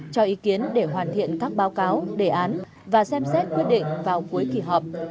cho ý kiến để hoàn thiện các báo cáo đề án và xem xét quyết định vào cuối kỳ họp